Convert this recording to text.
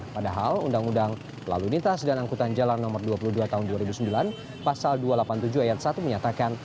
padahal undang undang lalu lintas dan angkutan jalan nomor dua puluh dua tahun dua ribu sembilan pasal dua ratus delapan puluh tujuh ayat satu menyatakan